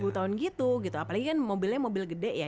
sepuluh tahun gitu gitu apalagi kan mobilnya mobil gede ya